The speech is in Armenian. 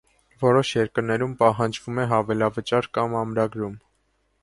Որոշ երկրներում պահանջվում է հավելավճար կամ ամրագրում։